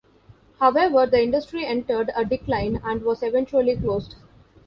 However, the industry entered a decline and was eventually closed.